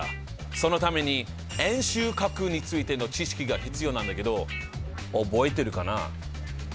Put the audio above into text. そのために円周角についての知識が必要なんだけど覚えてるかな？